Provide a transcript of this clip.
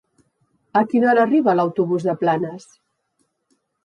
A quina hora arriba l'autobús de Planes?